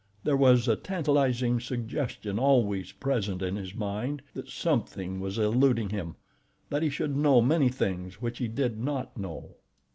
There was a tantalizing suggestion always present in his mind that something was eluding him—that he should know many things which he did not know.